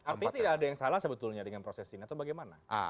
artinya tidak ada yang salah sebetulnya dengan proses ini atau bagaimana